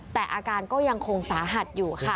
แต่อาการก็ยังคงสาหัสอยู่ค่ะ